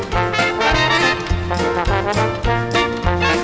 โปรดติดตามตอนต่อไป